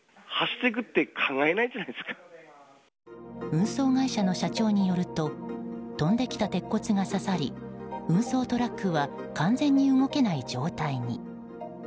運送会社の社長によると飛んできた鉄骨が刺さり運送トラックは完全に動けない状態に。